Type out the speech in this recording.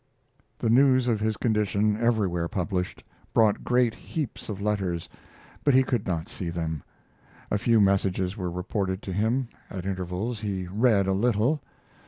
The news of his condition, everywhere published, brought great heaps of letters, but he could not see them. A few messages were reported to him. At intervals he read a little.